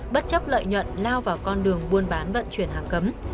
bất chấp lợi nhuận lao vào con đường buôn bán vận chuyển hàng cấm